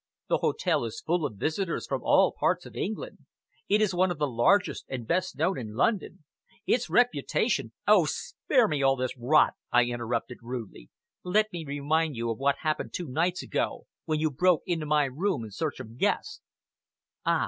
The hotel is full of visitors from all parts of England. It is one of the largest and best known in London. Its reputation " "Oh! spare me all this rot," I interrupted rudely. "Let me remind you of what happened two nights ago, when you broke into my room in search of Guest." "Ah!"